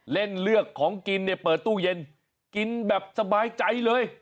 เลือกเลือกของกินเนี่ยเปิดตู้เย็นกินแบบสบายใจเลย